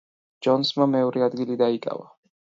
ჯონსმა მეორე ადგილი დაიკავა.